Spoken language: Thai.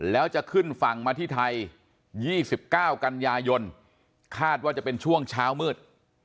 แล้วจะขึ้นฝั่งมาที่ไทย๒๙กันยายนคาดว่าจะเป็นช่วงเช้ามืด